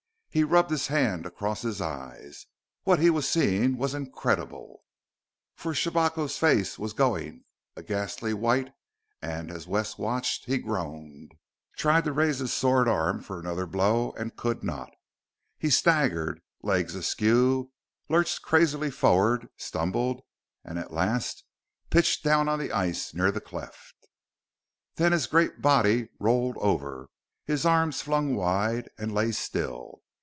He rubbed his hand across his eyes. What he was seeing was incredible. For Shabako's face was going a ghastly white; and, as Wes watched, he groaned, tried to raise his sword arm for another blow and could not. He staggered, legs askew, lurched crazily forward, stumbled, and at last pitched down on the ice near the cleft. Then his great body rolled over, arms flung wide, and lay still.